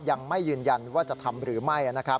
ยังไม่ยืนยันว่าจะทำหรือไม่